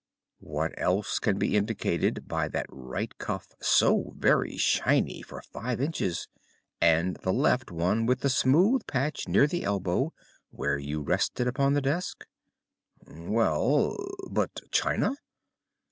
"What else can be indicated by that right cuff so very shiny for five inches, and the left one with the smooth patch near the elbow where you rest it upon the desk?" "Well, but China?"